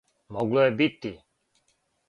Могло је бити.